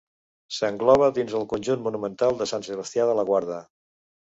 S'engloba dins el Conjunt Monumental de Sant Sebastià de la Guarda.